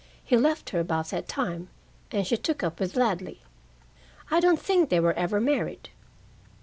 "He left her about that time, and she took up with Ladley. I don't think they were ever married."